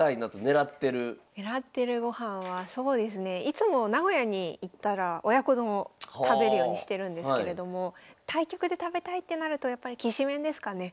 狙ってる御飯はそうですねいつも名古屋に行ったら親子丼を食べるようにしてるんですけれども対局で食べたいってなるとやっぱりきしめんですかね。